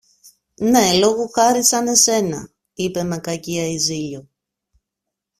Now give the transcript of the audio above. Ναι, λόγου χάρη σαν εσένα, είπε με κακία η Ζήλιω.